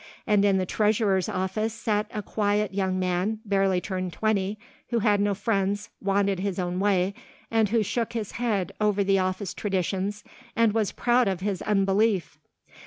And in the treasurer's office sat a quiet young man, barely turned twenty, who had no friends, wanted his own way, and who shook his head over the office traditions and was proud of his unbelief.